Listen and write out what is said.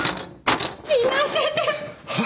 死なせて！は？